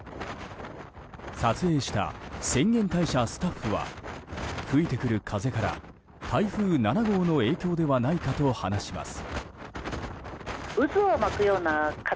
撮影した浅間大社スタッフは吹いてくる風から、台風７号の影響ではないかと話します。